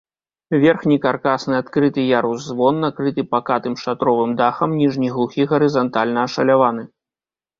Верхні каркасны адкрыты ярус-звон накрыты пакатым шатровым дахам, ніжні глухі гарызантальна ашаляваны.